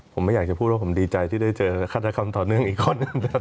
ผมไม่อยากจะพูดว่าผมดีใจที่ได้เจอฆาตกรรมต่อเนื่องอีกข้อหนึ่ง